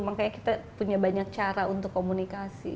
makanya kita punya banyak cara untuk komunikasi